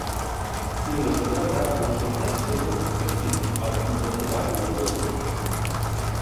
Ціле життя грав лише те, чого вони хотіли, а вони за те ляпали долонями.